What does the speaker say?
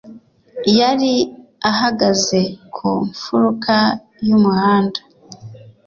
Yari ahagaze ku mfuruka y'umuhanda.